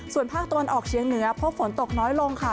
ส่วนภาคตะวันออกเชียงเหนือพบฝนตกน้อยลงค่ะ